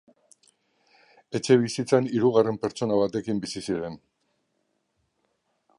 Etxebizitzan hirugarren pertsona batekin bizi ziren.